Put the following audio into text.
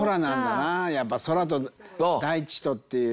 やっぱ空と大地とっていう。